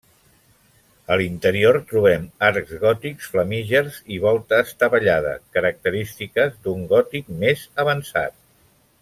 A l'interior trobem arcs gòtics flamígers i volta estavellada, característiques d'un gòtic més avançat.